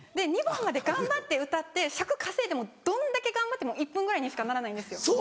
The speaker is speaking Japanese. ２番まで頑張って歌って尺稼いでもどんだけ頑張っても１分ぐらいにしかならないんですよ。